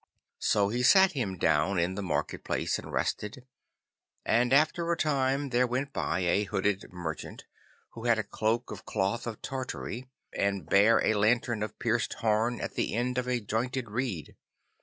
So he sat him down in the market place and rested, and after a time there went by a hooded merchant who had a cloak of cloth of Tartary, and bare a lantern of pierced horn at the end of a jointed reed.